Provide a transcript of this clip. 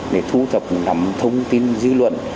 để thu thập nắm thông tin dư luận